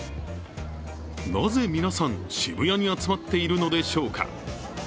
なぜ皆さん、渋谷に集まっているのでしょうか。